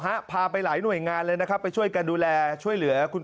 ฮะพาไปหลายหน่วยงานเลยนะครับไปช่วยกันดูแลช่วยเหลือคุณ